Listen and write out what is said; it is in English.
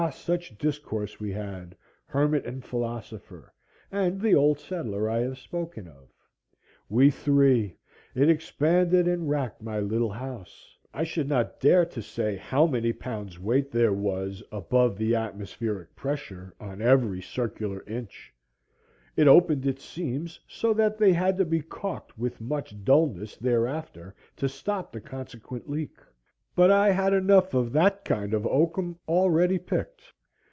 such discourse we had, hermit and philosopher, and the old settler I have spoken of,—we three,—it expanded and racked my little house; I should not dare to say how many pounds' weight there was above the atmospheric pressure on every circular inch; it opened its seams so that they had to be calked with much dulness thereafter to stop the consequent leak;—but I had enough of that kind of oakum already picked.